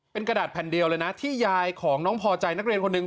เป็นกระดาษแผ่นเดียวเลยนะที่ยายของน้องพอใจนักเรียนคนหนึ่ง